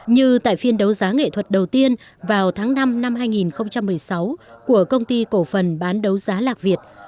như tại phiên đấu giá nghệ thuật đầu tiên vào tháng năm năm hai nghìn một mươi sáu của công ty cổ phần bán đấu giá lạc việt